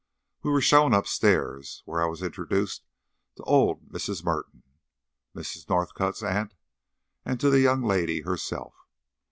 We were shown upstairs, where I was introduced to old Mrs. Merton, Miss Northcott's aunt, and to the young lady herself.